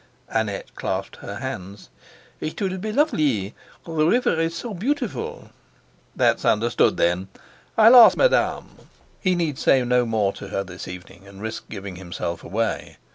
Annette clasped her hands. "It will be lovelee. The river is so beautiful" "That's understood, then. I'll ask Madame." He need say no more to her this evening, and risk giving himself away.